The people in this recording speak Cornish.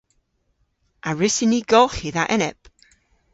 A wrussyn ni golghi dha enep?